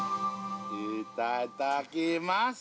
いただきます。